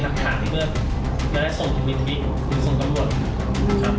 และได้ส่งถึงวิทยุวิทย์ถึงส่งกรรมบทครับ